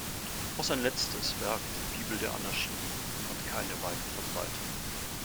Auch sein letztes Werk "Die Bibel der Anarchie" fand keine weite Verbreitung.